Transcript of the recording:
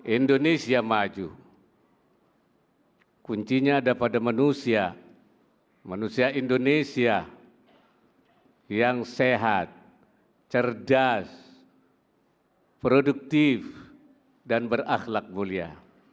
indonesia yang sehat cerdas produktif dan berakhlak mulia